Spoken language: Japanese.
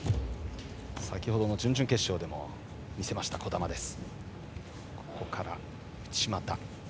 先ほどの準々決勝でも見せました、児玉です。